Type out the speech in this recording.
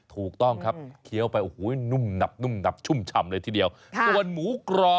ถูกต้องครับเคี้ยวไปโอ้โหนุ่มหนับนุ่มหนับชุ่มฉ่ำเลยทีเดียวส่วนหมูกรอบ